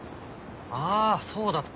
あそうだった。